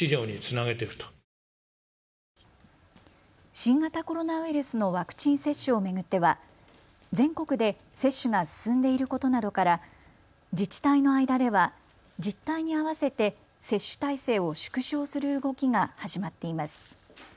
新型コロナウイルスのワクチン接種を巡っては全国で接種が進んでいることなどから自治体の間では実態に合わせて接種体制を縮小する動きが始まっています。